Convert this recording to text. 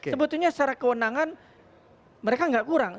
sebetulnya secara kewenangan mereka nggak kurang